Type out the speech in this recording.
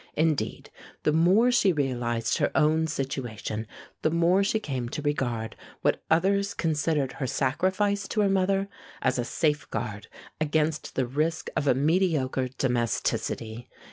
Indeed, the more she realized her own situation, the more she came to regard what others considered her sacrifice to her mother as a safeguard against the risk of a mediocre domesticity.